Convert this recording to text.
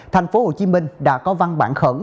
thành phố hồ chí minh đã có văn bản khẩn